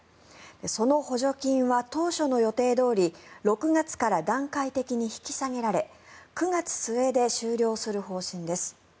その補助金は当初の予定どおり６月から段階的に引き下げられ９月末で終了する方針です。